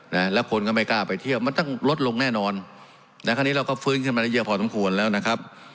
นะแล้วคนก็ไม่กล้าไปเที่ยวมันต้องลดลงแน่นอนนะคราวนี้เราก็ฟื้นขึ้นมาได้เยอะพอสมควรแล้วนะครับ